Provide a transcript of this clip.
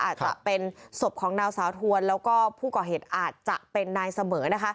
อาจจะเป็นศพของนางสาวทวนแล้วก็ผู้ก่อเหตุอาจจะเป็นนายเสมอนะคะ